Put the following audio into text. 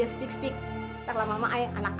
ibu nggak mau tahu dong